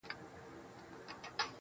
واپس دې وخندل واپس راپسې وبه ژاړې_